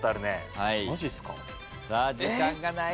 時間がない。